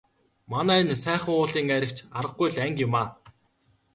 Манай энэ Сайхан уулын айраг ч аргагүй л анги юмаа.